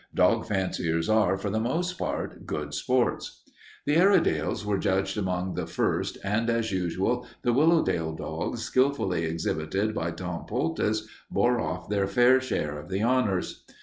Dog fanciers are, for the most part, good sports. The Airedales were judged among the first, and as usual the Willowdale dogs, skilfully exhibited by Tom Poultice, bore off their fair share of the honors.